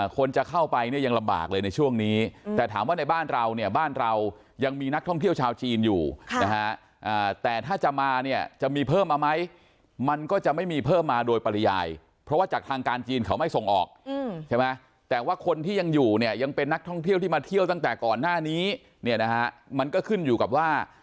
คนจะเข้าไปเนี่ยยังลำบากเลยในช่วงนี้แต่ถามว่าในบ้านเราเนี่ยบ้านเรายังมีนักท่องเที่ยวชาวจีนอยู่นะฮะแต่ถ้าจะมาเนี่ยจะมีเพิ่มมาไหมมันก็จะไม่มีเพิ่มมาโดยปริยายเพราะว่าจากทางการจีนเขาไม่ส่งออกใช่ไหมแต่ว่าคนที่ยังอยู่เนี่ยยังเป็นนักท่องเที่ยวที่มาเที่ยวตั้งแต่ก่อนหน้านี้เนี่ยนะฮะมันก็ขึ้นอยู่กับว่า